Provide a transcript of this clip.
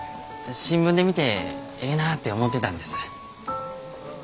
新聞で見てええなぁて思てたんです。